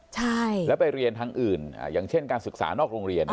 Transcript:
ใช่แล้วไปเรียนทางอื่นอย่างเช่นการศึกษานอกโรงเรียน